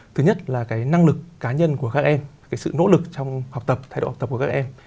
thứ nhất là cái năng lực cá nhân của các em cái sự nỗ lực trong học tập thay đổi học tập của các em